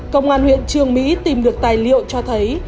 công an huyện trường mỹ tìm được tài liệu cho thấy